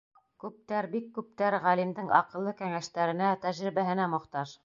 Күптәр, бик күптәр ғалимдың аҡыллы кәңәштәренә, тәжрибәһенә мохтаж.